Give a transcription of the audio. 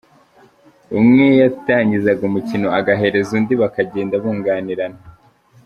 Umwe yatangizaga umukino agahereza undi bakagenda bunganirana.